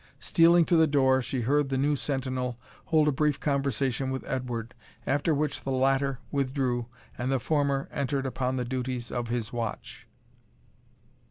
Stealing to the door, she heard the new sentinel hold a brief conversation with Edward, after which the latter withdrew, and the former entered upon the duties of his watch.